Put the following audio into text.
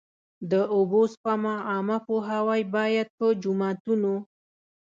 د اوبو سپما عامه پوهاوی باید په جوماتونو.